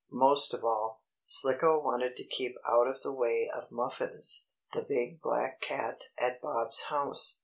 Most of all, Slicko wanted to keep out of the way of Muffins, the big black cat at Bob's house.